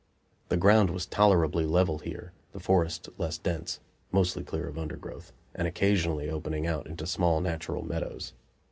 The ground was tolerably level here, the forest less dense, mostly clear of undergrowth, and occasionally opening out into small natural meadows.